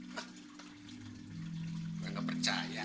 kan bang hafid yang ngajarin